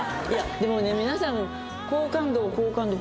でもね皆さん。